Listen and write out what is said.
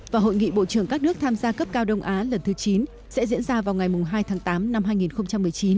và hội nghị bộ trưởng các nước tham gia cấp cao đông á lần thứ chín sẽ diễn ra vào ngày hai tháng tám năm hai nghìn một mươi chín